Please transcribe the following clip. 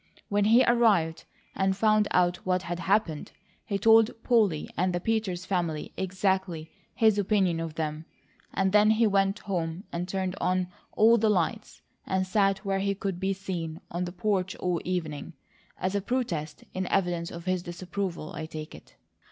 When he arrived, and found out what had happened, he told Polly and the Peters family exactly his opinion of them; and then he went home and turned on all the lights, and sat where he could be seen on the porch all evening, as a protest in evidence of his disapproval, I take it."